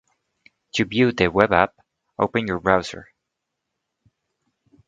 To view the web app, open your browser